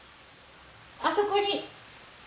あそこに！